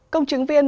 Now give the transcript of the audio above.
công chứng viên